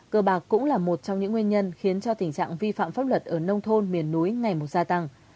cơ bạc cũng là một trong những nguyên nhân khiến cho tình trạng vi phạm pháp luật ở nông thôn miền núi ngày một gia tăng